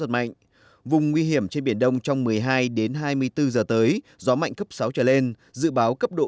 giật mạnh vùng nguy hiểm trên biển đông trong một mươi hai hai mươi bốn giờ tới gió mạnh cấp sáu trở lên dự báo cấp độ